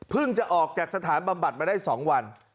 จะออกจากสถานบำบัดมาได้๒วัน